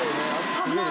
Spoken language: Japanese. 危ない。